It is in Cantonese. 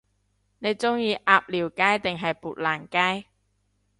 你鍾意鴨寮街定係砵蘭街？